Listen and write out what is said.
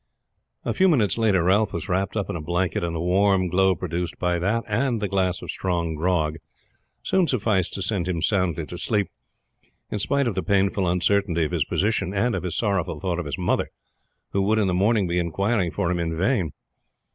A few minutes later Ralph was wrapped up in a blanket and the warm glow produced by that and the glass of strong grog soon sufficed to send him soundly to sleep, in spite of the painful uncertainty of his position and of his sorrowful thought of his mother, who would in the morning be inquiring for him in vain.